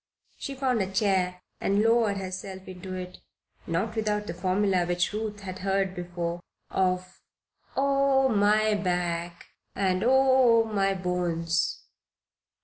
She found a chair and lowered herself into it, not without the formula which Ruth had heard before, of "Oh, my back and oh, my bones!"